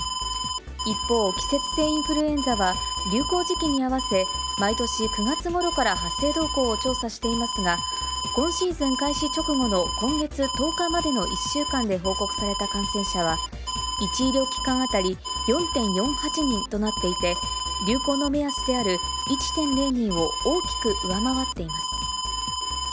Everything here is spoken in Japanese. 一方、季節性インフルエンザは、流行時期に合わせ、毎年９月ごろから発生動向を調査していますが、今シーズン開始直後の今月１０日までの１週間で報告された感染者は、１医療機関当たり４．４８人となっていて、流行の目安である１．０人を大きく上回っています。